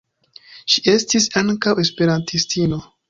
Ŝi estis ankaŭ esperantistino.